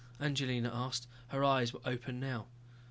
Angelina asked. Her eyes were open now.